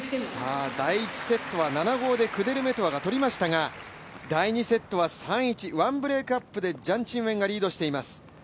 第１セットは７−５でクデルメトワが取りましたが、第２セットは３−１、１ブレークアップでジャン・チンウェンがリードしています。